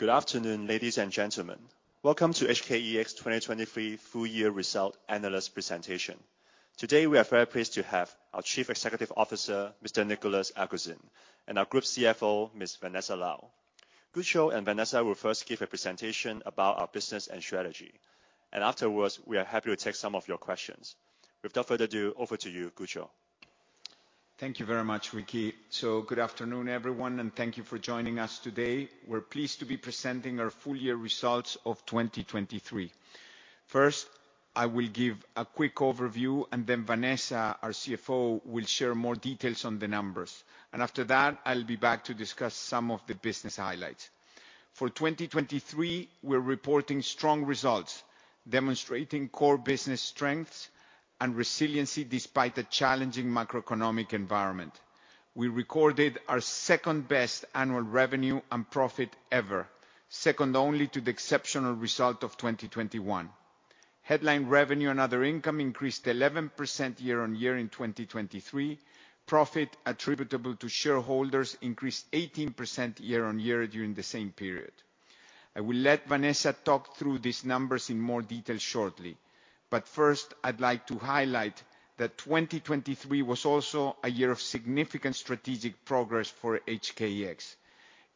Good afternoon, ladies and gentlemen. Welcome to HKEX 2023 Full Year Result Analyst Presentation. Today we are very pleased to have our Chief Executive Officer, Mr. Nicolas Aguzin, and our Group CFO, Ms. Vanessa Lau. Gucho and Vanessa will first give a presentation about our business and strategy, and afterwards we are happy to take some of your questions. Without further ado, over to you, Gucho. Thank you very much, Ricky. So good afternoon, everyone, and thank you for joining us today. We're pleased to be presenting our full-year results of 2023. First, I will give a quick overview, and then Vanessa, our CFO, will share more details on the numbers. And after that, I'll be back to discuss some of the business highlights. For 2023, we're reporting strong results, demonstrating core business strengths and resiliency despite a challenging macroeconomic environment. We recorded our second-best annual revenue and profit ever, second only to the exceptional result of 2021. Headline revenue and other income increased 11% year-over-year in 2023. Profit attributable to shareholders increased 18% year-over-year during the same period. I will let Vanessa talk through these numbers in more detail shortly, but first I'd like to highlight that 2023 was also a year of significant strategic progress for HKEX.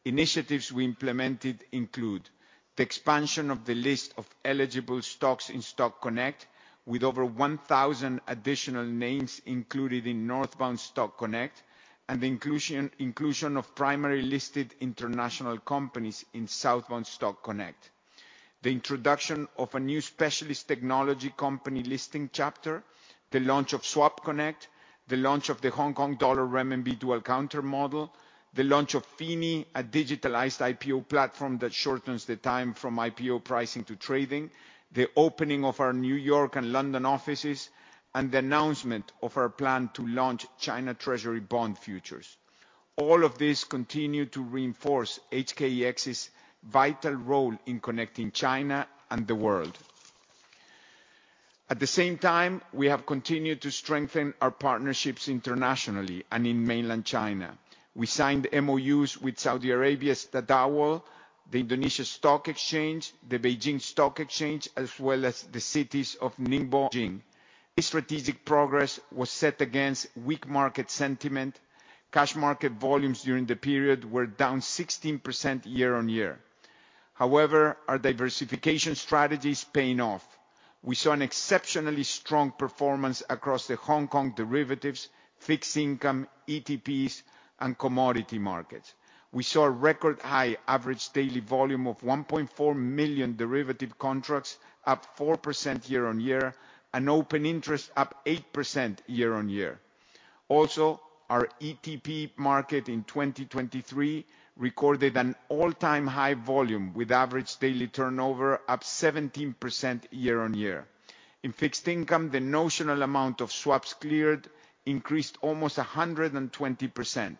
Initiatives we implemented include the expansion of the list of eligible stocks in Stock Connect, with over 1,000 additional names included in Northbound Stock Connect, and the inclusion of primary listed international companies in Southbound Stock Connect. The introduction of a new specialist technology company listing chapter, the launch of Swap Connect, the launch of the Hong Kong Dollar-RMB Dual Counter Model, the launch of FINI, a digitalized IPO platform that shortens the time from IPO pricing to trading, the opening of our New York and London offices, and the announcement of our plan to launch China Treasury bond futures. All of these continue to reinforce HKEX's vital role in connecting China and the world. At the same time, we have continued to strengthen our partnerships internationally and in mainland China. We signed MOUs with Saudi Arabia's Tadawul, the Indonesia Stock Exchange, the Beijing Stock Exchange, as well as the cities of Ningbo and Jinan. This strategic progress was set against weak market sentiment. Cash market volumes during the period were down 16% year-on-year. However, our diversification strategy is paying off. We saw an exceptionally strong performance across the Hong Kong derivatives, fixed income, ETPs, and commodity markets. We saw a record-high average daily volume of 1.4 million derivative contracts, up 4% year-on-year, and open interest up 8% year-on-year. Also, our ETP market in 2023 recorded an all-time high volume, with average daily turnover up 17% year-on-year. In fixed income, the notional amount of swaps cleared increased almost 120%,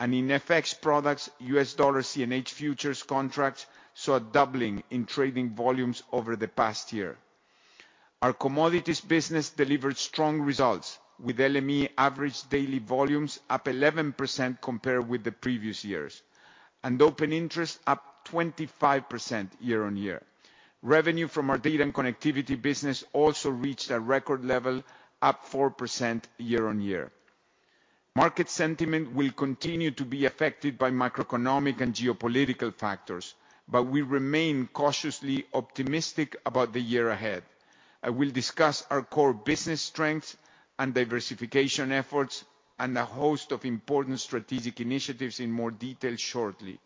and in FX products, US Dollar CNH futures contracts saw a doubling in trading volumes over the past year. Our commodities business delivered strong results, with LME average daily volumes up 11% compared with the previous years, and open interest up 25% year on year. Revenue from our data and connectivity business also reached a record level, up 4% year on year. Market sentiment will continue to be affected by macroeconomic and geopolitical factors, but we remain cautiously optimistic about the year ahead. I will discuss our core business strengths and diversification efforts and a host of important strategic initiatives in more detail shortly.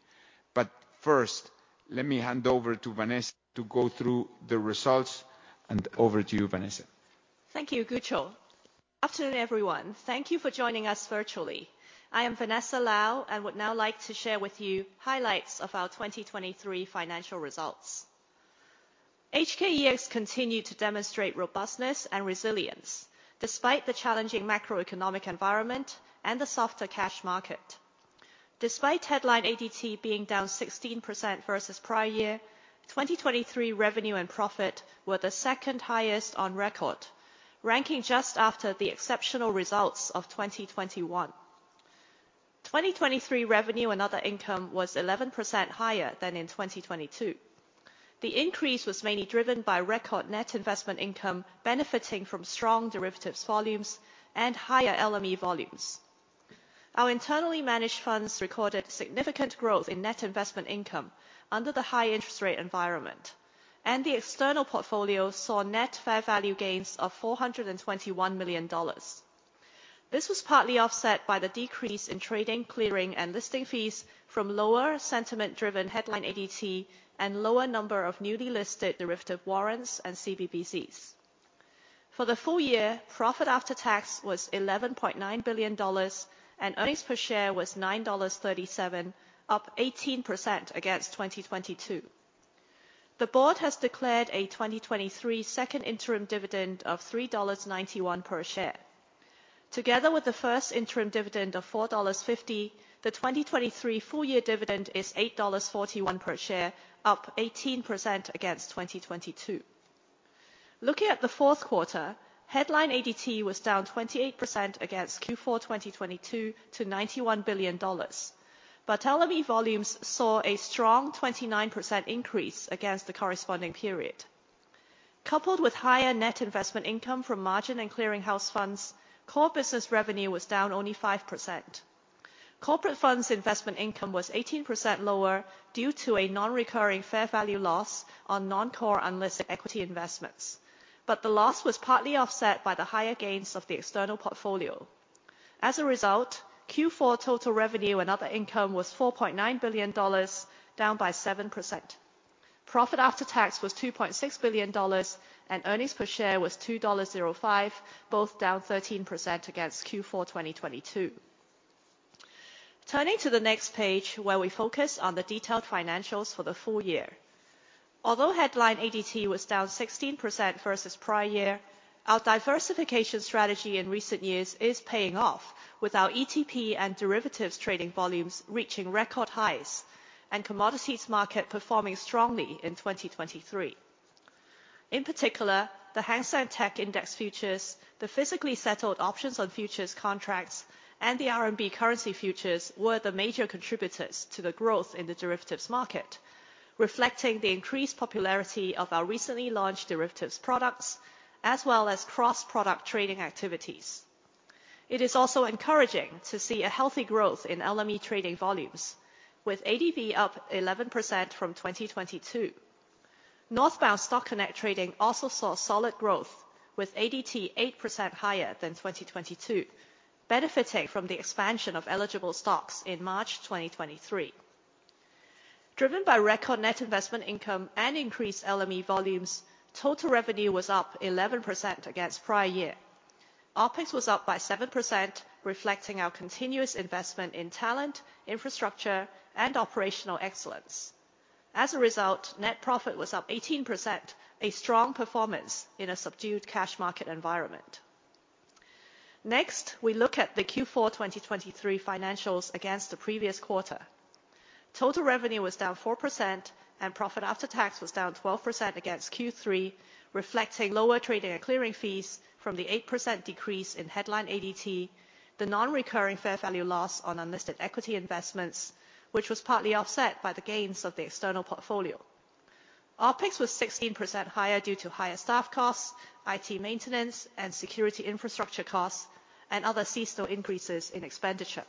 But first, let me hand over to Vanessa to go through the results, and over to you, Vanessa. Thank you, Gucho. Afternoon, everyone. Thank you for joining us virtually. I am Vanessa Lau and would now like to share with you highlights of our 2023 financial results. HKEX continued to demonstrate robustness and resilience despite the challenging macroeconomic environment and the softer cash market. Despite headline ADT being down 16% versus prior year, 2023 revenue and profit were the second-highest on record, ranking just after the exceptional results of 2021. 2023 revenue and other income was 11% higher than in 2022. The increase was mainly driven by record net investment income benefiting from strong derivatives volumes and higher LME volumes. Our internally managed funds recorded significant growth in net investment income under the high interest rate environment, and the external portfolio saw net fair value gains of $421 million. This was partly offset by the decrease in trading, clearing, and listing fees from lower sentiment-driven headline ADT and lower number of newly listed derivative warrants and CBBCs. For the full year, profit after tax was HKD 11.9 billion, and earnings per share was HKD 9.37, up 18% against 2022. The board has declared a 2023 second interim dividend of 3.91 dollars per share. Together with the first interim dividend of 4.50 dollars, the 2023 full-year dividend is 8.41 dollars per share, up 18% against 2022. Looking at the fourth quarter, headline ADT was down 28% against Q4 2022 to HKD 91 billion, but LME volumes saw a strong 29% increase against the corresponding period. Coupled with higher net investment income from margin and clearinghouse funds, core business revenue was down only 5%. Corporate funds investment income was 18% lower due to a non-recurring fair value loss on non-core unlisted equity investments, but the loss was partly offset by the higher gains of the external portfolio. As a result, Q4 total revenue and other income was 4.9 billion dollars, down by 7%. Profit after tax was 2.6 billion dollars, and earnings per share was 2.05 dollars, both down 13% against Q4 2022. Turning to the next page, where we focus on the detailed financials for the full year. Although headline ADT was down 16% versus prior year, our diversification strategy in recent years is paying off, with our ETP and derivatives trading volumes reaching record highs and commodities market performing strongly in 2023. In particular, the Hang Seng Tech Index futures, the physically settled options on futures contracts, and the RMB currency futures were the major contributors to the growth in the derivatives market, reflecting the increased popularity of our recently launched derivatives products as well as cross-product trading activities. It is also encouraging to see a healthy growth in LME trading volumes, with ADV up 11% from 2022. Northbound Stock Connect trading also saw solid growth, with ADT 8% higher than 2022, benefiting from the expansion of eligible stocks in March 2023. Driven by record net investment income and increased LME volumes, total revenue was up 11% against prior year. OPEX was up by 7%, reflecting our continuous investment in talent, infrastructure, and operational excellence. As a result, net profit was up 18%, a strong performance in a subdued cash market environment. Next, we look at the Q4 2023 financials against the previous quarter. Total revenue was down 4%, and profit after tax was down 12% against Q3, reflecting lower trading and clearing fees from the 8% decrease in headline ADT, the non-recurring fair value loss on unlisted equity investments, which was partly offset by the gains of the external portfolio. OpEx was 16% higher due to higher staff costs, IT maintenance, and security infrastructure costs, and other seasonal increases in expenditure.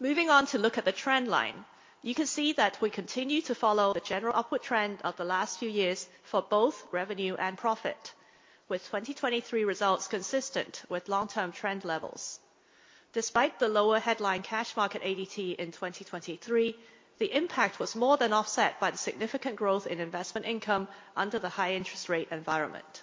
Moving on to look at the trend line, you can see that we continue to follow the general upward trend of the last few years for both revenue and profit, with 2023 results consistent with long-term trend levels. Despite the lower headline cash market ADT in 2023, the impact was more than offset by the significant growth in investment income under the high interest rate environment.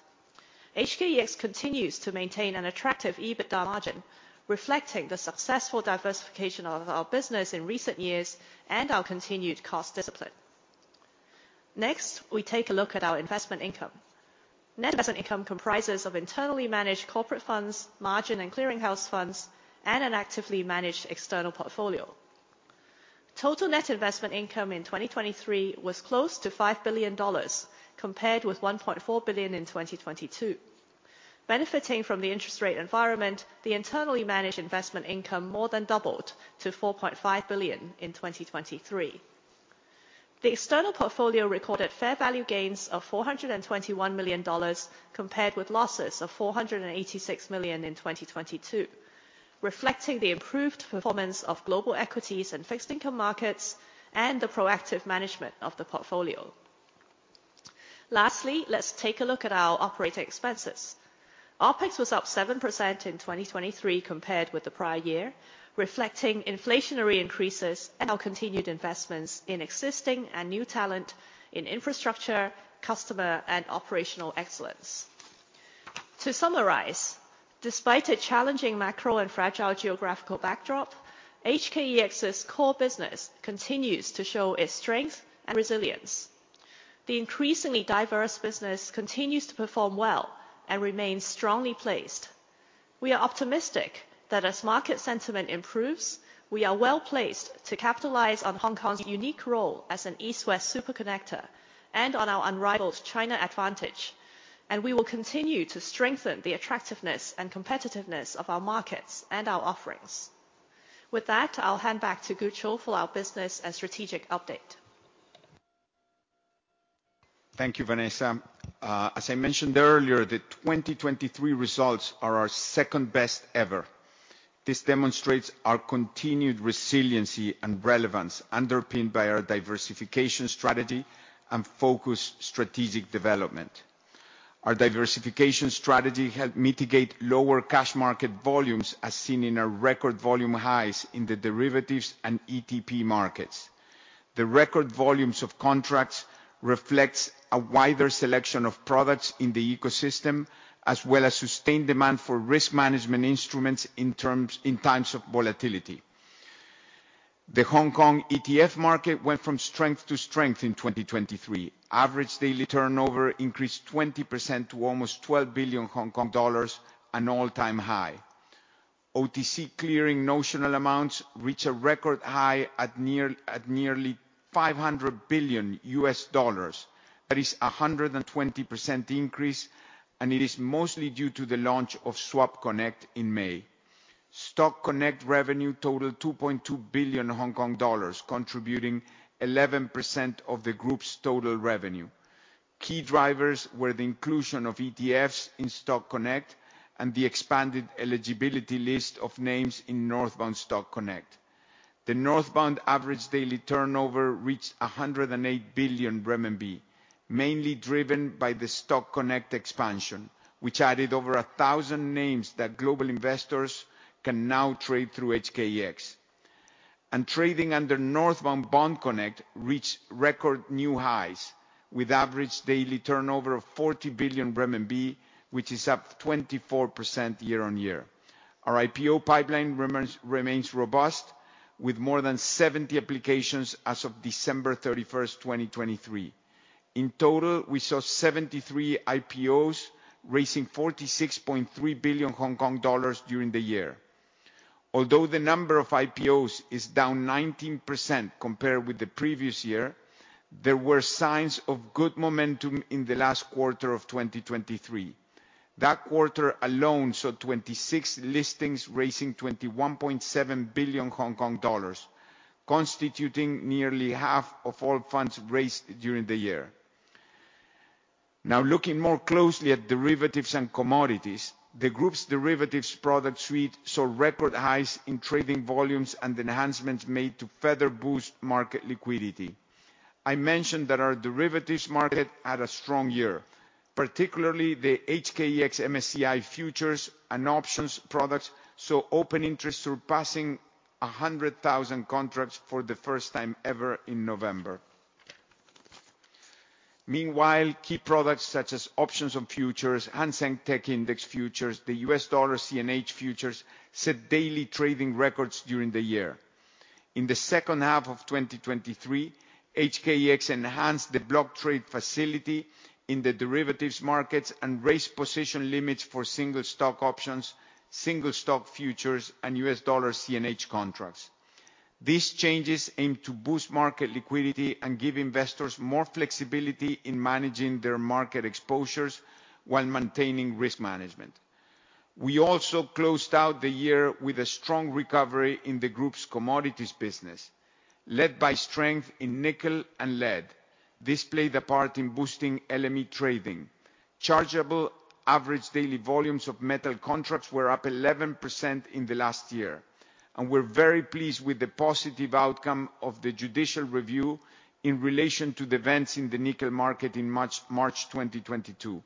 HKEX continues to maintain an attractive EBITDA margin, reflecting the successful diversification of our business in recent years and our continued cost discipline. Next, we take a look at our investment income. Net investment income comprises internally managed corporate funds, margin and clearinghouse funds, and an actively managed external portfolio. Total net investment income in 2023 was close to $5 billion compared with $1.4 billion in 2022. Benefiting from the interest rate environment, the internally managed investment income more than doubled to $4.5 billion in 2023. The external portfolio recorded fair value gains of $421 million compared with losses of $486 million in 2022, reflecting the improved performance of global equities and fixed income markets and the proactive management of the portfolio. Lastly, let's take a look at our operating expenses. OpEx was up 7% in 2023 compared with the prior year, reflecting inflationary increases and our continued investments in existing and new talent in infrastructure, customer, and operational excellence. To summarize, despite a challenging macro and fragile geographical backdrop, HKEX's core business continues to show its strength and resilience. The increasingly diverse business continues to perform well and remains strongly placed. We are optimistic that as market sentiment improves, we are well placed to capitalize on Hong Kong's unique role as an East-West superconnector and on our unrivaled China advantage, and we will continue to strengthen the attractiveness and competitiveness of our markets and our offerings. With that, I'll hand back to Gucho for our business and strategic update. Thank you, Vanessa. As I mentioned earlier, the 2023 results are our second-best ever. This demonstrates our continued resiliency and relevance underpinned by our diversification strategy and focused strategic development. Our diversification strategy helped mitigate lower cash market volumes as seen in our record volume highs in the derivatives and ETP markets. The record volumes of contracts reflect a wider selection of products in the ecosystem as well as sustained demand for risk management instruments in times of volatility. The Hong Kong ETF market went from strength to strength in 2023. Average daily turnover increased 20% to almost 12 billion Hong Kong dollars, an all-time high. OTC clearing notional amounts reached a record high at nearly HKD 500 billion. That is a 120% increase, and it is mostly due to the launch of Swap Connect in May. Stock Connect revenue totaled 2.2 billion Hong Kong dollars, contributing 11% of the group's total revenue. Key drivers were the inclusion of ETFs in Stock Connect and the expanded eligibility list of names in Northbound Stock Connect. The Northbound average daily turnover reached 108 billion RMB, mainly driven by the Stock Connect expansion, which added over 1,000 names that global investors can now trade through HKEX. Trading under Northbound Bond Connect reached record new highs with average daily turnover of 40 billion renminbi, which is up 24% year-over-year. Our IPO pipeline remains robust with more than 70 applications as of December 31st, 2023. In total, we saw 73 IPOs raising 46.3 billion Hong Kong dollars during the year. Although the number of IPOs is down 19% compared with the previous year, there were signs of good momentum in the last quarter of 2023. That quarter alone saw 26 listings raising 21.7 billion Hong Kong dollars, constituting nearly half of all funds raised during the year. Now, looking more closely at derivatives and commodities, the group's derivatives product suite saw record highs in trading volumes and enhancements made to further boost market liquidity. I mentioned that our derivatives market had a strong year, particularly the HKEX MSCI futures and options products saw open interest surpassing 100,000 contracts for the first time ever in November. Meanwhile, key products such as options on futures, Hang Seng Tech Index Futures, the US Dollar CNH Futures set daily trading records during the year. In the second half of 2023, HKEX enhanced the block trade facility in the derivatives markets and raised position limits for single stock options, single stock futures, and US Dollar CNH contracts. These changes aimed to boost market liquidity and give investors more flexibility in managing their market exposures while maintaining risk management. We also closed out the year with a strong recovery in the group's commodities business, led by strength in nickel and lead. This played a part in boosting LME trading. Chargeable average daily volumes of metal contracts were up 11% in the last year, and we're very pleased with the positive outcome of the judicial review in relation to the events in the nickel market in March 2022.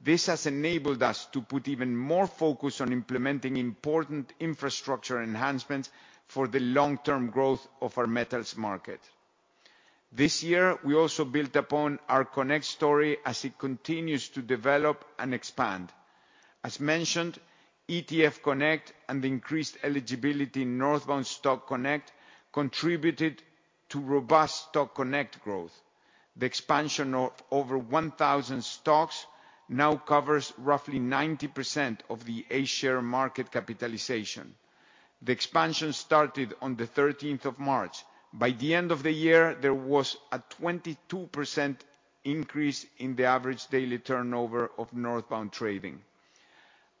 This has enabled us to put even more focus on implementing important infrastructure enhancements for the long-term growth of our metals market. This year, we also built upon our Connect story as it continues to develop and expand. As mentioned, ETF Connect and the increased eligibility in Northbound Stock Connect contributed to robust Stock Connect growth. The expansion of over 1,000 stocks now covers roughly 90% of the A-share market capitalization. The expansion started on the 13th of March. By the end of the year, there was a 22% increase in the average daily turnover of Northbound trading.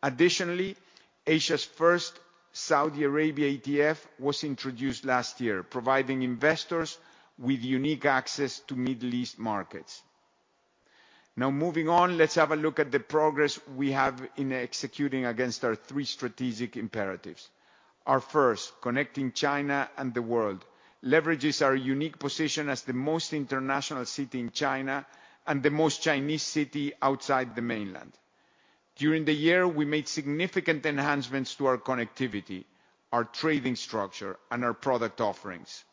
Additionally, Asia's first Saudi Arabia ETF was introduced last year, providing investors with unique access to Middle East markets. Now, moving on, let's have a look at the progress we have in executing against our three strategic imperatives. Our first, connecting China and the world, leverages our unique position as the most international city in China and the most Chinese city outside the mainland. During the year, we made significant enhancements to our connectivity, our trading structure, and our product offerings.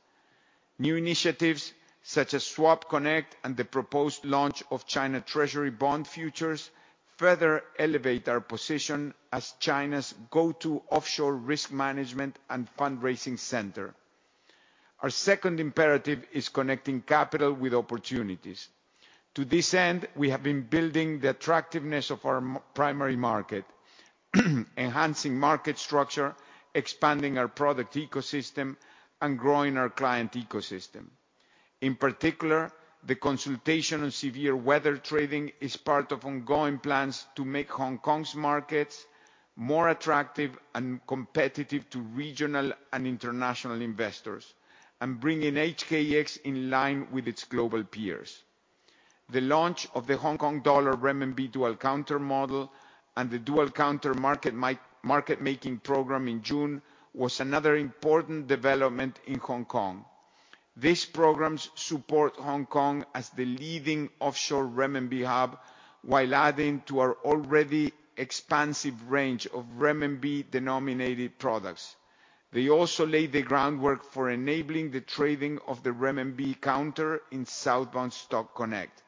New initiatives such as Swap Connect and the proposed launch of China Treasury Bond futures further elevate our position as China's go-to offshore risk management and fundraising center. Our second imperative is connecting capital with opportunities. To this end, we have been building the attractiveness of our primary market, enhancing market structure, expanding our product ecosystem, and growing our client ecosystem. In particular, the consultation on severe weather trading is part of ongoing plans to make Hong Kong's markets more attractive and competitive to regional and international investors and bringing HKEX in line with its global peers. The launch of the Hong Kong Dollar-RMB Dual Counter Model and the dual counter market making program in June was another important development in Hong Kong. These programs support Hong Kong as the leading offshore RMB hub while adding to our already expansive range of RMB-denominated products. They also laid the groundwork for enabling the trading of the RMB counter in Southbound Stock Connect.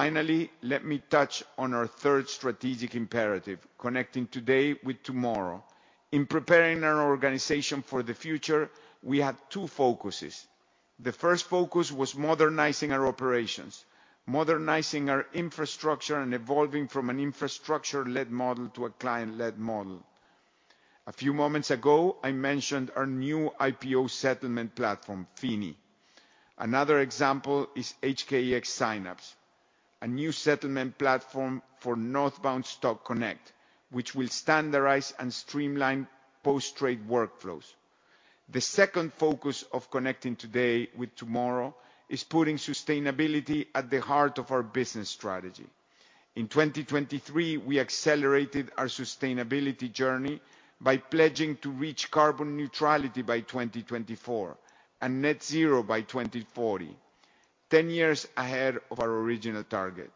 Finally, let me touch on our third strategic imperative, connecting today with tomorrow. In preparing our organization for the future, we had two focuses. The first focus was modernizing our operations, modernizing our infrastructure, and evolving from an infrastructure-led model to a client-led model. A few moments ago, I mentioned our new IPO settlement platform, FINI. Another example is HKEX Synapse, a new settlement platform for Northbound Stock Connect, which will standardize and streamline post-trade workflows. The second focus of connecting today with tomorrow is putting sustainability at the heart of our business strategy. In 2023, we accelerated our sustainability journey by pledging to reach carbon neutrality by 2024 and net zero by 2040, 10 years ahead of our original target.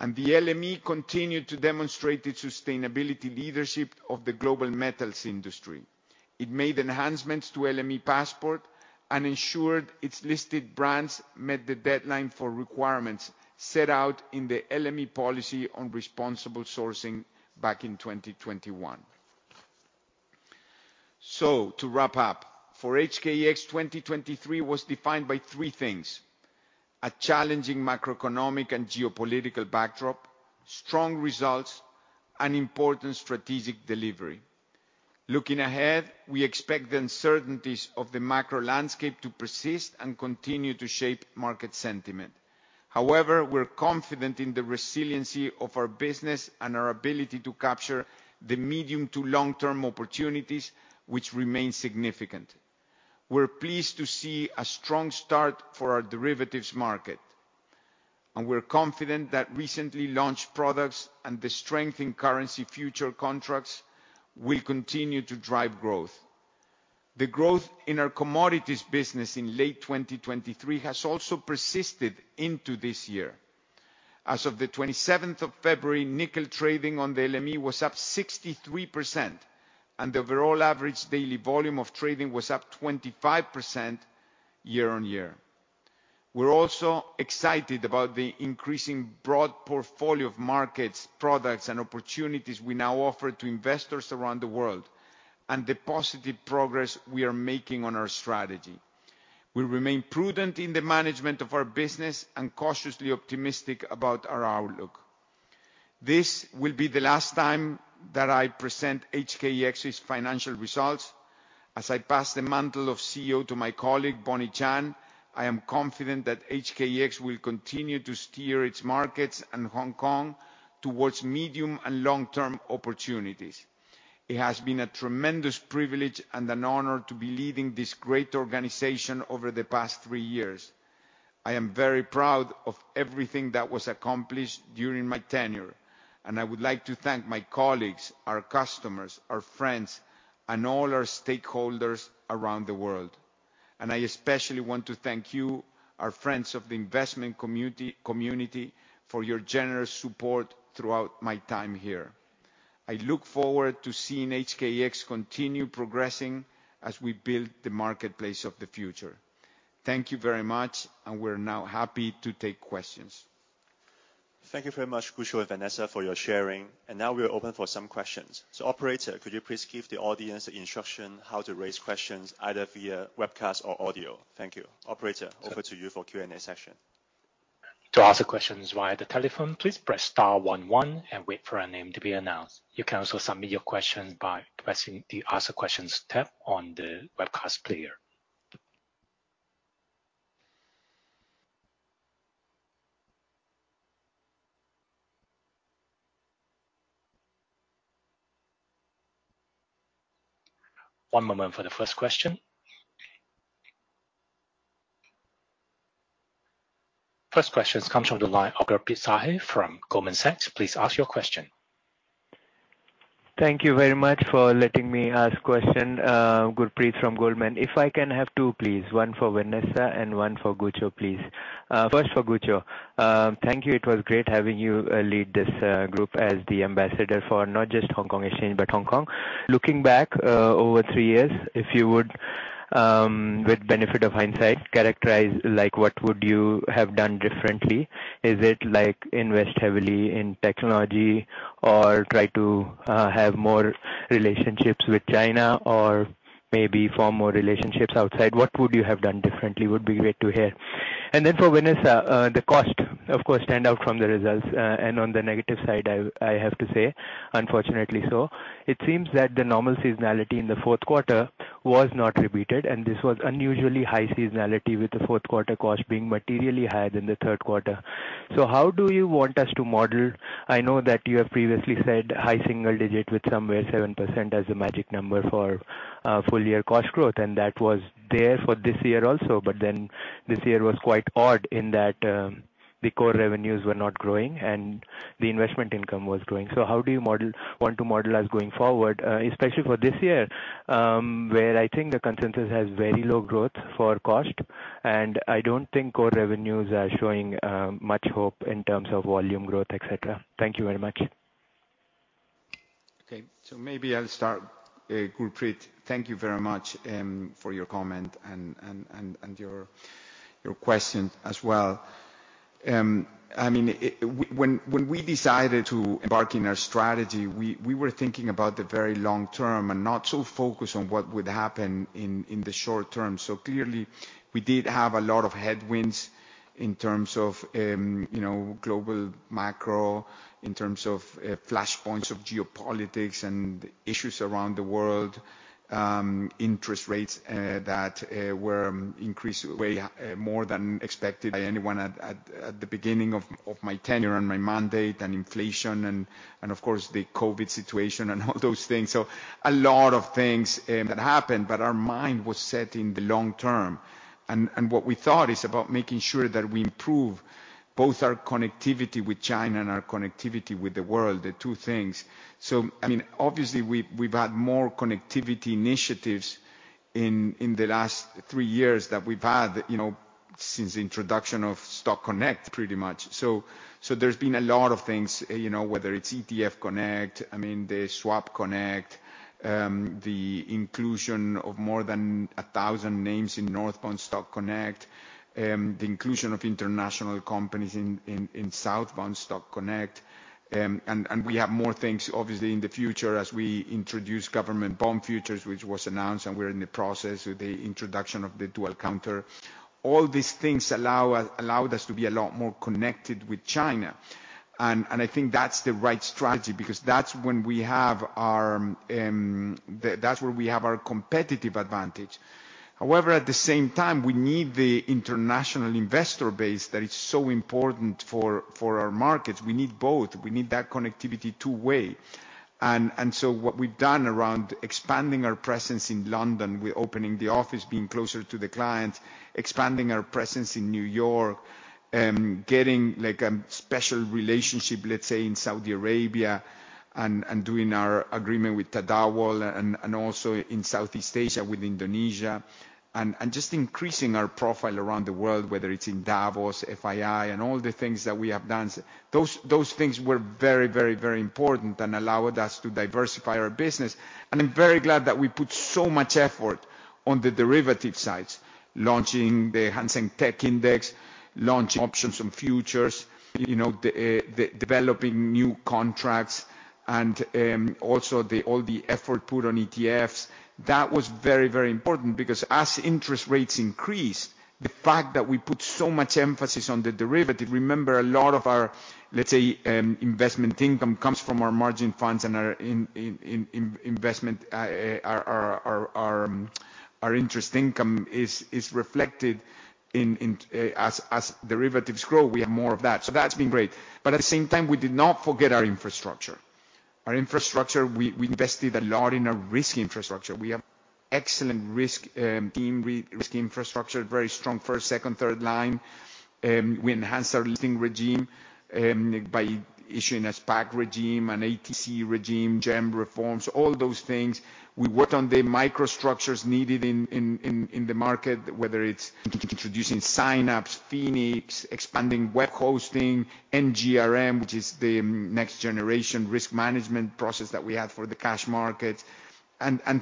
The LME continued to demonstrate its sustainability leadership of the global metals industry. It made enhancements to LME Passport and ensured its listed brands met the deadline for requirements set out in the LME policy on responsible sourcing back in 2021. So, to wrap up, for HKEX, 2023 was defined by three things: a challenging macroeconomic and geopolitical backdrop, strong results, and important strategic delivery. Looking ahead, we expect the uncertainties of the macro landscape to persist and continue to shape market sentiment. However, we're confident in the resiliency of our business and our ability to capture the medium to long-term opportunities, which remain significant. We're pleased to see a strong start for our derivatives market, and we're confident that recently launched products and the strengthened currency future contracts will continue to drive growth. The growth in our commodities business in late 2023 has also persisted into this year. As of the 27th of February, nickel trading on the LME was up 63%, and the overall average daily volume of trading was up 25% year-on-year. We're also excited about the increasing broad portfolio of markets, products, and opportunities we now offer to investors around the world and the positive progress we are making on our strategy. We remain prudent in the management of our business and cautiously optimistic about our outlook. This will be the last time that I present HKEX's financial results. As I pass the mantle of CEO to my colleague, Bonnie Y. Chan, I am confident that HKEX will continue to steer its markets and Hong Kong towards medium and long-term opportunities. It has been a tremendous privilege and an honor to be leading this great organization over the past three years. I am very proud of everything that was accomplished during my tenure, and I would like to thank my colleagues, our customers, our friends, and all our stakeholders around the world. I especially want to thank you, our friends of the investment community, for your generous support throughout my time here. I look forward to seeing HKEX continue progressing as we build the marketplace of the future. Thank you very much, and we're now happy to take questions. Thank you very much, Gucho and Vanessa, for your sharing. And now we're open for some questions. So, operator, could you please give the audience the instruction how to raise questions either via webcast or audio? Thank you. Operator, over to you for Q&A session. To ask questions via the telephone, please press star 11 and wait for a name to be announced. You can also submit your questions by pressing the Ask Questions tab on the webcast player. One moment for the first question. First question comes from the line of Gurpreet Sahi from Goldman Sachs. Please ask your question. Thank you very much for letting me ask a question. Gurpreet from Goldman. If I can have two, please. One for Vanessa and one for Gucho, please. First for Gucho. Thank you. It was great having you lead this group as the ambassador for not just Hong Kong Exchange, but Hong Kong. Looking back over three years, if you would, with the benefit of hindsight, characterize what would you have done differently? Is it invest heavily in technology or try to have more relationships with China or maybe form more relationships outside? What would you have done differently? Would be great to hear. And then for Vanessa, the cost, of course, stands out from the results. And on the negative side, I have to say, unfortunately, so. It seems that the normal seasonality in the fourth quarter was not repeated, and this was unusually high seasonality with the fourth quarter cost being materially higher than the third quarter. So how do you want us to model? I know that you have previously said high single digit with somewhere 7% as the magic number for full-year cost growth, and that was there for this year also. But then this year was quite odd in that the core revenues were not growing, and the investment income was growing. So how do you want to model us going forward, especially for this year where I think the consensus has very low growth for cost, and I don't think core revenues are showing much hope in terms of volume growth, etc.? Thank you very much. Okay. So maybe I'll start. Gurpreet, thank you very much for your comment and your question as well. I mean, when we decided to embark in our strategy, we were thinking about the very long term and not so focused on what would happen in the short term. So clearly, we did have a lot of headwinds in terms of global macro, in terms of flashpoints of geopolitics and issues around the world, interest rates that were increased way more than expected by anyone at the beginning of my tenure and my mandate, and inflation, and of course, the COVID situation and all those things. So a lot of things that happened, but our mind was set in the long term. And what we thought is about making sure that we improve both our connectivity with China and our connectivity with the world, the two things. So I mean, obviously, we've had more connectivity initiatives in the last three years than we've had since the introduction of Stock Connect, pretty much. So there's been a lot of things, whether it's ETF Connect, I mean, the Swap Connect, the inclusion of more than 1,000 names in Northbound Stock Connect, the inclusion of international companies in Southbound Stock Connect. And we have more things, obviously, in the future as we introduce government bond futures, which was announced, and we're in the process with the introduction of the dual counter. All these things allowed us to be a lot more connected with China. And I think that's the right strategy because that's when we have our that's where we have our competitive advantage. However, at the same time, we need the international investor base that is so important for our markets. We need both. We need that connectivity two-way. What we've done around expanding our presence in London with opening the office, being closer to the clients, expanding our presence in New York, getting a special relationship, let's say, in Saudi Arabia and doing our agreement with Tadawul, and also in Southeast Asia with Indonesia, and just increasing our profile around the world, whether it's in Davos, FII, and all the things that we have done. Those things were very, very, very important and allowed us to diversify our business. I'm very glad that we put so much effort on the derivative sides, launching the Hang Seng Tech Index, launching options and futures, developing new contracts, and also all the effort put on ETFs. That was very, very important because as interest rates increased, the fact that we put so much emphasis on the derivative remember, a lot of our, let's say, investment income comes from our margin funds and our investment interest income is reflected as derivatives grow. We have more of that. So that's been great. But at the same time, we did not forget our infrastructure. Our infrastructure, we invested a lot in our risk infrastructure. We have excellent risk infrastructure, very strong first, second, third line. We enhanced our listing regime by issuing a SPAC regime, an 18C regime, GEM reforms, all those things. We worked on the microstructures needed in the market, whether it's introducing Synapse, FINI, expanding web hosting, NGRM, which is the next-generation risk management process that we had for the cash markets.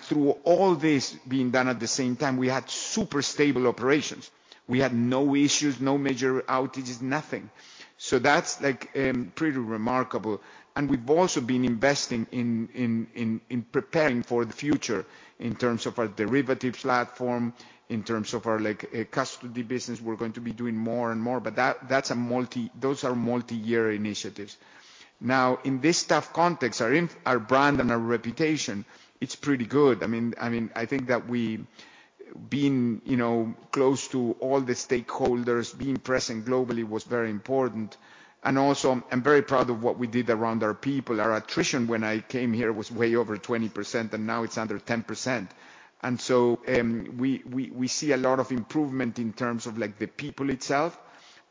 Through all this being done at the same time, we had super stable operations. We had no issues, no major outages, nothing. That's pretty remarkable. And we've also been investing in preparing for the future in terms of our derivatives platform, in terms of our custody business. We're going to be doing more and more, but those are multi-year initiatives. Now, in this tough context, our brand and our reputation, it's pretty good. I mean, I think that being close to all the stakeholders, being present globally was very important. Also, I'm very proud of what we did around our people. Our attrition when I came here was way over 20%, and now it's under 10%. And so we see a lot of improvement in terms of the people itself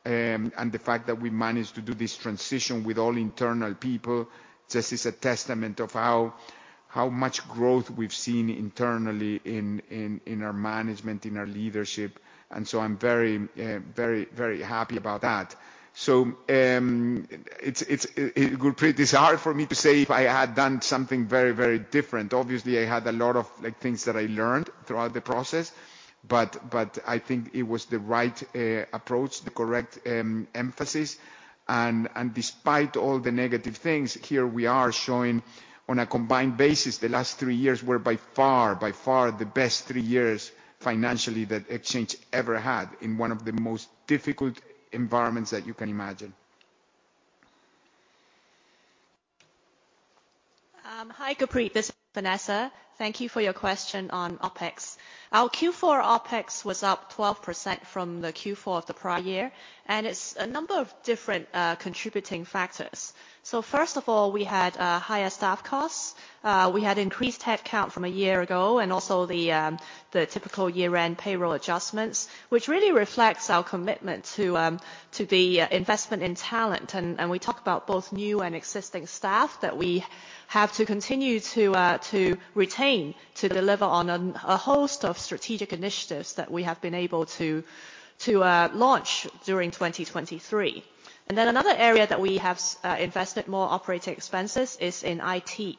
and the fact that we managed to do this transition with all internal people just is a testament of how much growth we've seen internally in our management, in our leadership. And so I'm very, very, very happy about that. So, Gurpreet, it's hard for me to say if I had done something very, very different. Obviously, I had a lot of things that I learned throughout the process, but I think it was the right approach, the correct emphasis. And despite all the negative things, here we are showing on a combined basis, the last three years were by far the best three years financially that Exchange ever had in one of the most difficult environments that you can imagine. Hi, Gurpreet. This is Vanessa. Thank you for your question on OpEx. Our Q4 OpEx was up 12% from the Q4 of the prior year, and it's a number of different contributing factors. So first of all, we had higher staff costs. We had increased headcount from a year ago and also the typical year-end payroll adjustments, which really reflects our commitment to the investment in talent. And we talk about both new and existing staff that we have to continue to retain to deliver on a host of strategic initiatives that we have been able to launch during 2023. And then another area that we have invested more operating expenses is in IT.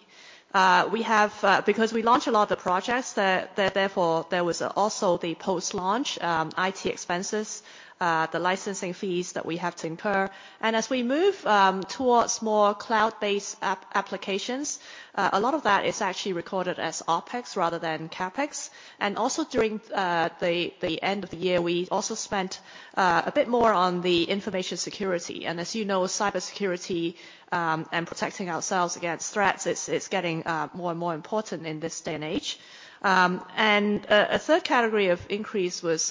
Because we launch a lot of the projects, therefore, there was also the post-launch IT expenses, the licensing fees that we have to incur. As we move towards more cloud-based applications, a lot of that is actually recorded as OPEX rather than CAPEX. Also during the end of the year, we also spent a bit more on the information security. And as you know, cybersecurity and protecting ourselves against threats, it's getting more and more important in this day and age. A third category of increase was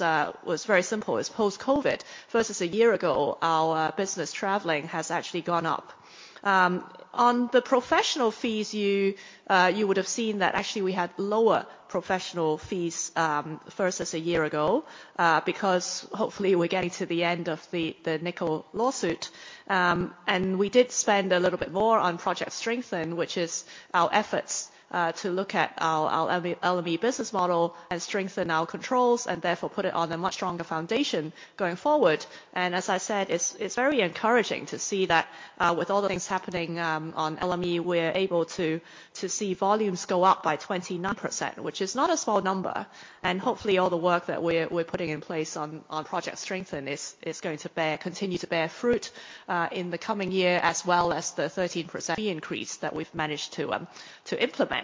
very simple. It's post-COVID. Versus a year ago, our business traveling has actually gone up. On the professional fees, you would have seen that actually we had lower professional fees versus a year ago because hopefully we're getting to the end of the Nickel lawsuit. And we did spend a little bit more on project strengthening, which is our efforts to look at our LME business model and strengthen our controls and therefore put it on a much stronger foundation going forward. As I said, it's very encouraging to see that with all the things happening on LME, we're able to see volumes go up by 29%, which is not a small number. Hopefully, all the work that we're putting in place on project strengthening is going to continue to bear fruit in the coming year as well as the 13% fee increase that we've managed to implement.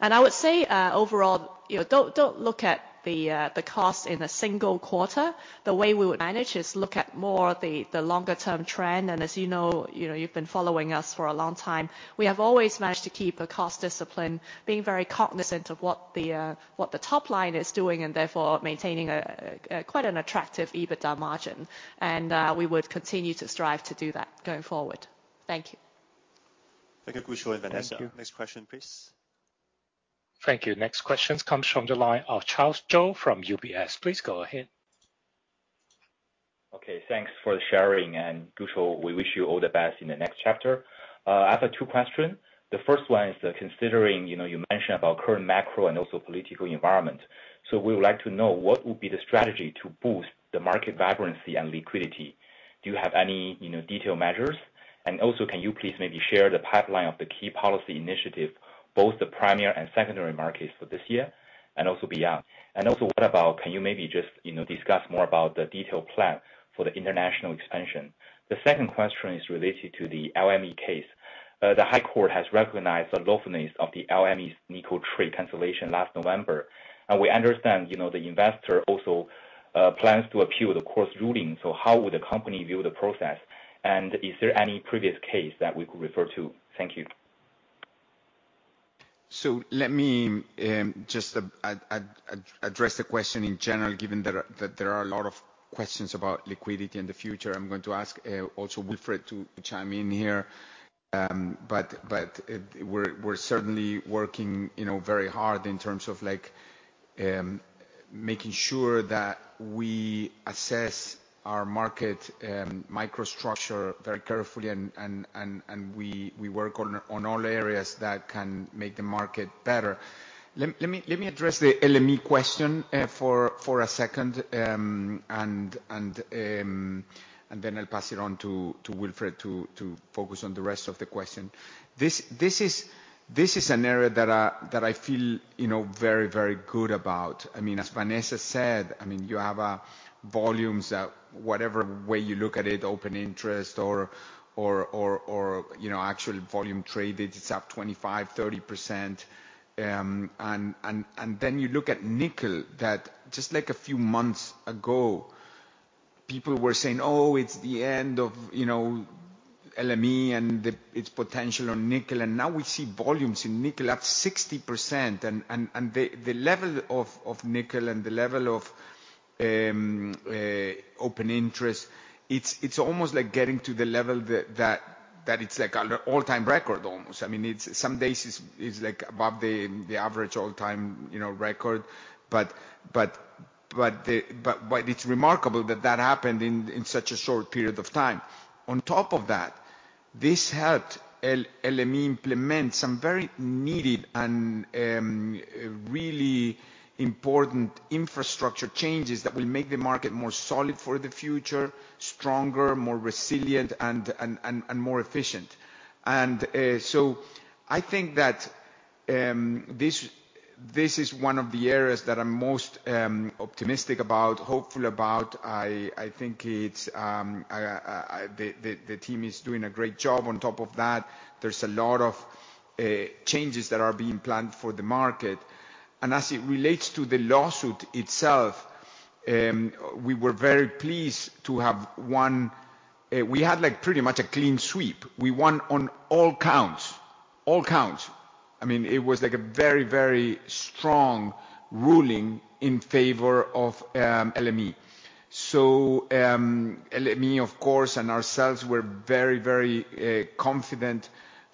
I would say overall, don't look at the cost in a single quarter. The way we would manage is look at more the longer-term trend. As you know, you've been following us for a long time, we have always managed to keep a cost discipline, being very cognizant of what the top line is doing and therefore maintaining quite an attractive EBITDA margin. We would continue to strive to do that going forward. Thank you. Thank you, Gucho and Vanessa. Next question, please. Thank you. Next question comes from the line of Charles Zhou from UBS. Please go ahead. Okay. Thanks for sharing. And Gucho, we wish you all the best in the next chapter. I have two questions. The first one is considering you mentioned about current macro and also political environment. So we would like to know what would be the strategy to boost the market vibrancy and liquidity? Do you have any detailed measures? And also, can you please maybe share the pipeline of the key policy initiative, both the primary and secondary markets for this year and also beyond? And also, can you maybe just discuss more about the detailed plan for the international expansion? The second question is related to the LME case. The High Court has recognized the lawfulness of the LME's nickel trade cancellation last November. And we understand the investor also plans to appeal the court's ruling. So how would the company view the process? Is there any previous case that we could refer to? Thank you. So let me just address the question in general. Given that there are a lot of questions about liquidity and the future, I'm going to ask also Wilfred to chime in here. But we're certainly working very hard in terms of making sure that we assess our market microstructure very carefully, and we work on all areas that can make the market better. Let me address the LME question for a second, and then I'll pass it on to Wilfred to focus on the rest of the question. This is an area that I feel very, very good about. I mean, as Vanessa said, I mean, you have volumes that whatever way you look at it, open interest or actual volume traded, it's up 25%-30%. Then you look at nickel that just a few months ago, people were saying, "Oh, it's the end of LME and its potential on nickel." Now we see volumes in nickel up 60%. The level of nickel and the level of open interest, it's almost like getting to the level that it's an all-time record almost. I mean, some days it's above the average all-time record. But it's remarkable that that happened in such a short period of time. On top of that, this helped LME implement some very needed and really important infrastructure changes that will make the market more solid for the future, stronger, more resilient, and more efficient. So I think that this is one of the areas that I'm most optimistic about, hopeful about. I think the team is doing a great job. On top of that, there's a lot of changes that are being planned for the market. And as it relates to the lawsuit itself, we were very pleased to have won. We had pretty much a clean sweep. We won on all counts, all counts. I mean, it was a very, very strong ruling in favor of LME. So LME, of course, and ourselves were very, very confident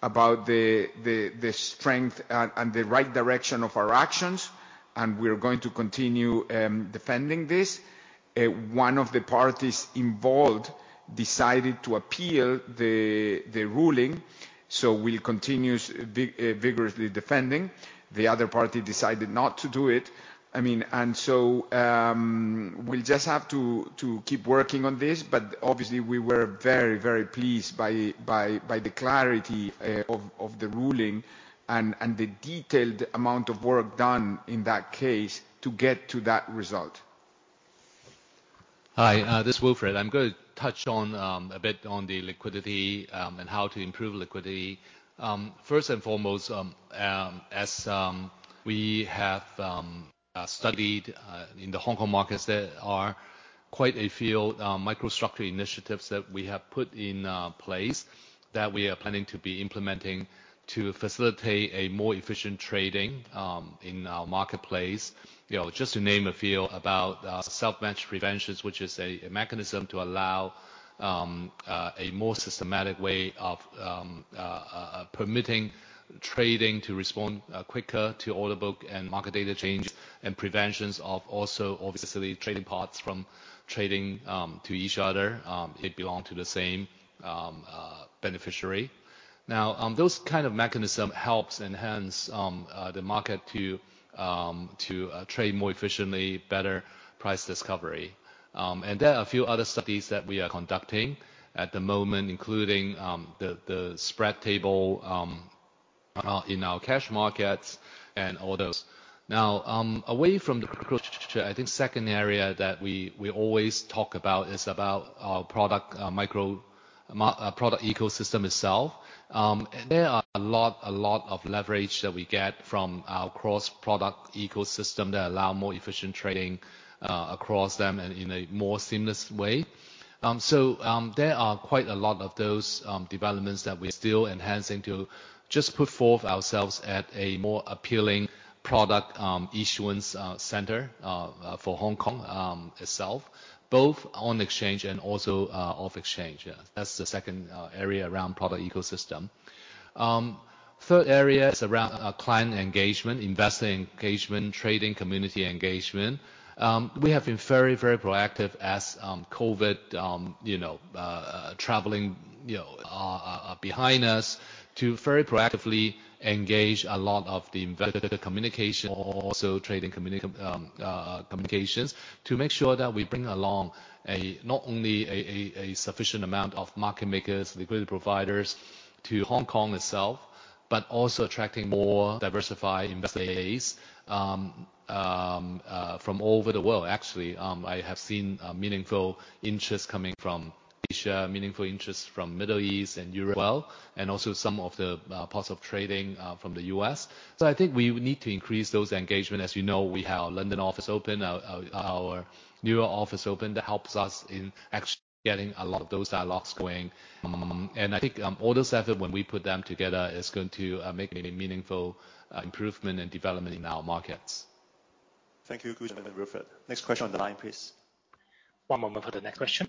about the strength and the right direction of our actions, and we're going to continue defending this. One of the parties involved decided to appeal the ruling, so we'll continue vigorously defending. The other party decided not to do it. I mean, and so we'll just have to keep working on this. But obviously, we were very, very pleased by the clarity of the ruling and the detailed amount of work done in that case to get to that result. Hi. This is Wilfred. I'm going to touch a bit on the liquidity and how to improve liquidity. First and foremost, as we have studied in the Hong Kong markets, there are quite a few microstructure initiatives that we have put in place that we are planning to be implementing to facilitate a more efficient trading in our marketplace. Just to name a few about self-match preventions, which is a mechanism to allow a more systematic way of permitting trading to respond quicker to order book and market data changes and prevention of also obviously trading parties from trading to each other. It belongs to the same beneficiary. Now, those kind of mechanisms help enhance the market to trade more efficiently, better price discovery. And there are a few other studies that we are conducting at the moment, including the spread table in our cash markets and all those. Now, away from the cryptocurrency, I think the second area that we always talk about is about our product ecosystem itself. And there are a lot of leverage that we get from our cross-product ecosystem that allow more efficient trading across them and in a more seamless way. So there are quite a lot of those developments that we're still enhancing to just put forth ourselves at a more appealing product issuance center for Hong Kong itself, both on exchange and also off exchange. That's the second area around product ecosystem. Third area is around client engagement, investor engagement, trading community engagement. We have been very, very proactive as COVID traveling behind us to very proactively engage a lot of the investor communication, also trading communications to make sure that we bring along not only a sufficient amount of market makers, liquidity providers to Hong Kong itself, but also attracting more diversified investors from all over the world. Actually, I have seen meaningful interest coming from Asia, meaningful interest from the Middle East and Europe as well, and also some of the parts of trading from the U.S. So I think we need to increase those engagements. As you know, we have our London office open, our New York office open that helps us in actually getting a lot of those dialogues going. I think all those efforts, when we put them together, is going to make a meaningful improvement and development in our markets. Thank you, Gucho and Wilfred. Next question on the line, please. One moment for the next question.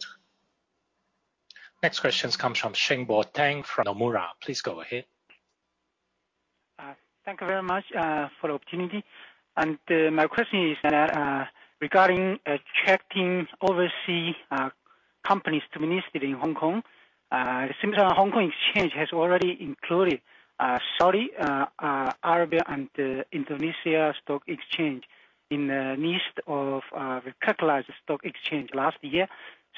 Next question comes from Shengbo Tang from Nomura. Please go ahead. Thank you very much for the opportunity. My question is regarding checking overseas companies diminished in Hong Kong. It seems that Hong Kong Exchange has already included Saudi Arabia and Indonesia Stock Exchange in the list of recognized stock exchange last year.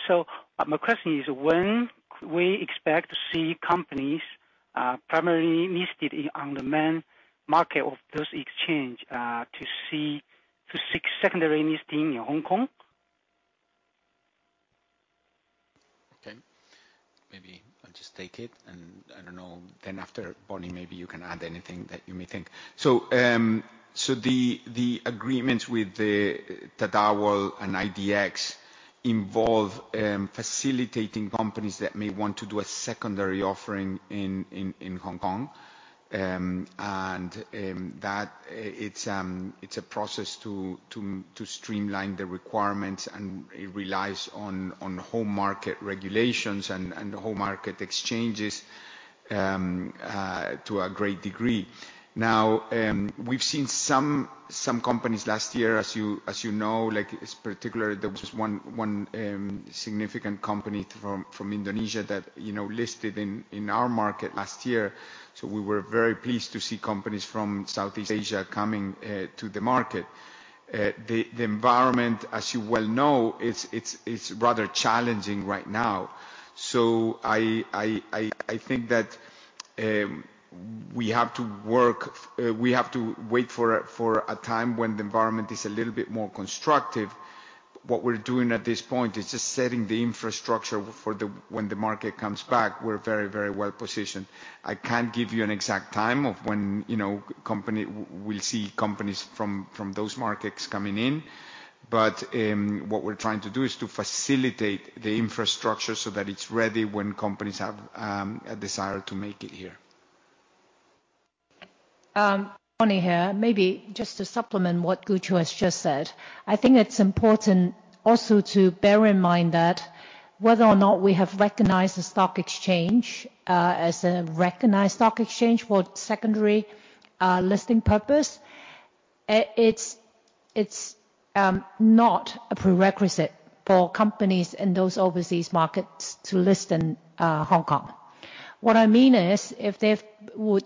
So my question is, when can we expect to see companies primarily listed on the main market of those exchanges to seek secondary listing in Hong Kong? Okay. Maybe I'll just take it. I don't know. Then after Bonnie, maybe you can add anything that you may think. So the agreements with Tadawul and IDX involve facilitating companies that may want to do a secondary offering in Hong Kong. And it's a process to streamline the requirements, and it relies on home market regulations and home market exchanges to a great degree. Now, we've seen some companies last year, as you know, particularly there was one significant company from Indonesia that listed in our market last year. So we were very pleased to see companies from Southeast Asia coming to the market. The environment, as you well know, is rather challenging right now. So I think that we have to wait for a time when the environment is a little bit more constructive. What we're doing at this point is just setting the infrastructure for when the market comes back. We're very, very well positioned. I can't give you an exact time of when we'll see companies from those markets coming in. But what we're trying to do is to facilitate the infrastructure so that it's ready when companies have a desire to make it here. Bonnie here. Maybe just to supplement what Gucho has just said, I think it's important also to bear in mind that whether or not we have recognized the stock exchange as a recognized stock exchange for secondary listing purpose, it's not a prerequisite for companies in those overseas markets to list in Hong Kong. What I mean is if they would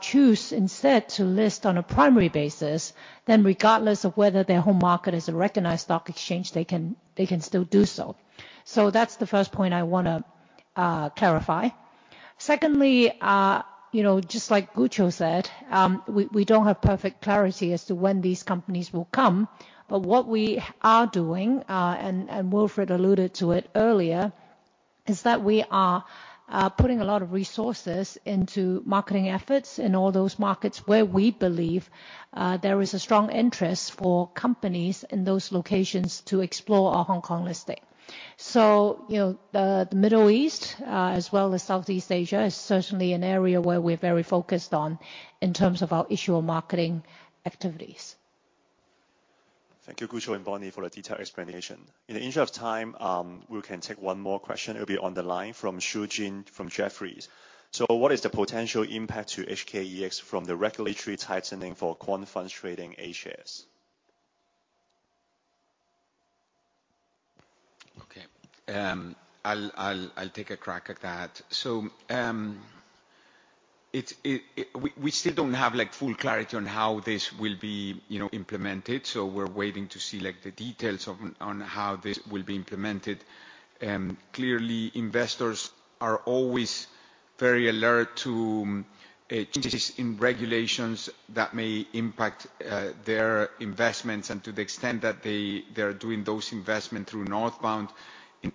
choose instead to list on a primary basis, then regardless of whether their home market is a recognized stock exchange, they can still do so. So that's the first point I want to clarify. Secondly, just like Gucho said, we don't have perfect clarity as to when these companies will come. But what we are doing, and Wilfred alluded to it earlier, is that we are putting a lot of resources into marketing efforts in all those markets where we believe there is a strong interest for companies in those locations to explore our Hong Kong listing. So the Middle East, as well as Southeast Asia, is certainly an area where we're very focused on in terms of our issue of marketing activities. Thank you, Gucho and Bonnie, for the detailed explanation. In the interest of time, we can take one more question. It'll be on the line from Shujin from Jefferies. So what is the potential impact to HKEX from the regulatory tightening for quant funds trading A-shares? Okay. I'll take a crack at that. So we still don't have full clarity on how this will be implemented. So we're waiting to see the details on how this will be implemented. Clearly, investors are always very alert to changes in regulations that may impact their investments. And to the extent that they are doing those investments through Northbound,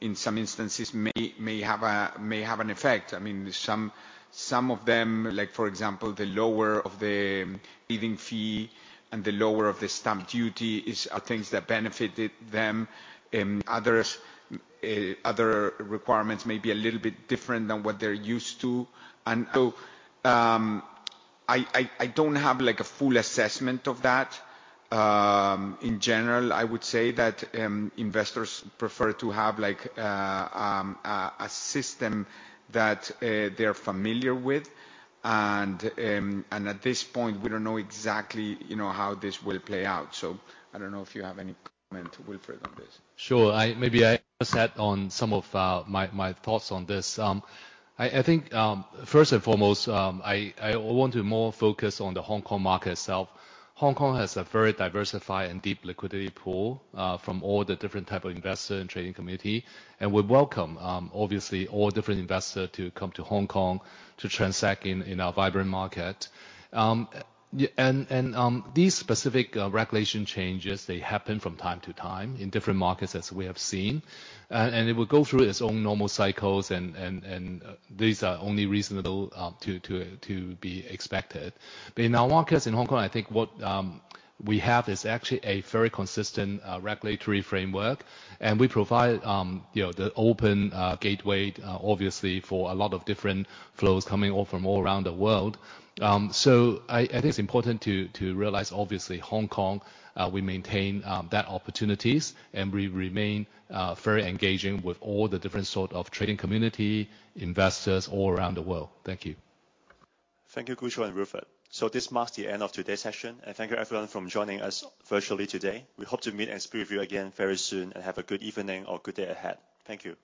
in some instances, may have an effect. I mean, some of them, for example, the lowering of the trading fee and the lowering of the stamp duty are things that benefited them. Other requirements may be a little bit different than what they're used to. And so I don't have a full assessment of that. In general, I would say that investors prefer to have a system that they're familiar with. And at this point, we don't know exactly how this will play out. I don't know if you have any comment, Wilfred, on this. Sure. Maybe I'll just add on some of my thoughts on this. I think, first and foremost, I want to more focus on the Hong Kong market itself. Hong Kong has a very diversified and deep liquidity pool from all the different types of investor and trading community. We welcome, obviously, all different investors to come to Hong Kong to transact in our vibrant market. These specific regulation changes, they happen from time to time in different markets as we have seen. It will go through its own normal cycles, and these are only reasonable to be expected. But in our markets in Hong Kong, I think what we have is actually a very consistent regulatory framework. We provide the open gateway, obviously, for a lot of different flows coming all from all around the world. So I think it's important to realize, obviously, Hong Kong, we maintain that opportunities, and we remain very engaging with all the different sort of trading community, investors all around the world. Thank you. Thank you, Gucho and Wilfred. This marks the end of today's session. Thank you everyone for joining us virtually today. We hope to meet and speak with you again very soon and have a good evening or good day ahead. Thank you.